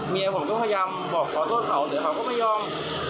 เมียผมก็พยายามบอกขอโทษเขาหรือเขาก็ไม่ยอม